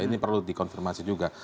ini perlu dikonfirmasi juga